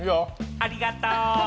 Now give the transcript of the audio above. ありがとう。